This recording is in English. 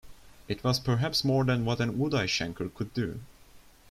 It was perhaps more than what an Uday Shankar could do.